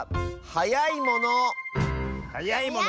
はやいものかあ。